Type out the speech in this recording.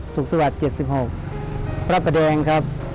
สุขวัด๗๖พระบะแดงครับ